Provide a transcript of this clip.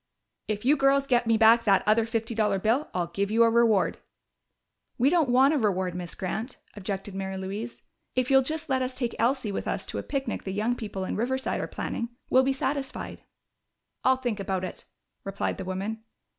"If you girls get me back that other fifty dollar bill, I'll give you a reward." "We don't want a reward, Miss Grant," objected Mary Louise. "If you'll just let us take Elsie with us to a picnic the young people in Riverside are planning, we'll be satisfied." "I'll think about it," replied the woman.